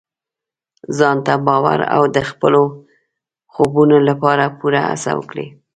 ځان ته باور او د خپلو خوبونو لپاره پوره هڅه وکړئ.